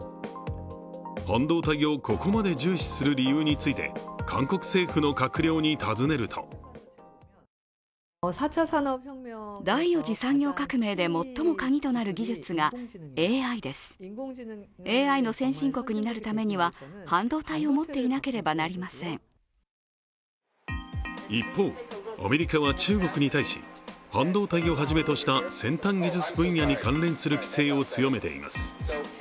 半導体をここまで重視する理由について、韓国政府の閣僚に尋ねると一方、アメリカは中国に対し半導体をはじめとした先端技術分野に関連する規制を強めています。